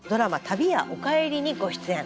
「旅屋おかえり」にご出演。